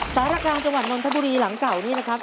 สารกลางจังหวัดนนทบุรีหลังเก่านี้นะครับ